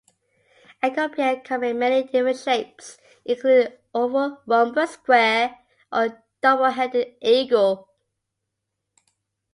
Engolpia come in many different shapes, including oval, rhombus, square, or a double-headed eagle.